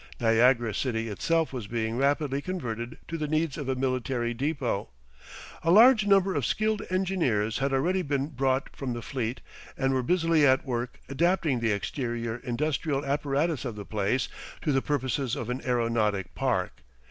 Niagara city itself was being rapidly converted to the needs of a military depot. A large number of skilled engineers had already been brought from the fleet and were busily at work adapting the exterior industrial apparatus of the place to the purposes of an aeronautic park.